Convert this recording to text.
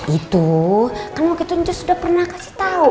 itu kan waktu itu encu sudah pernah kasih tau